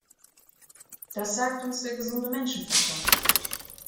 Das sagt uns der gesunde Menschenverstand.